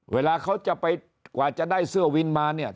เวลาเขาจะไปกว่าจะได้เสื้อวินมาเนี่ย